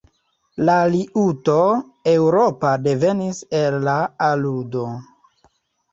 La liuto eŭropa devenis el la al-udo.